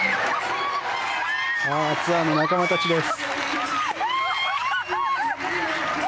ツアーの仲間たちです。